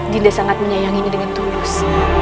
dinda sangat menyayanginya dengan tulus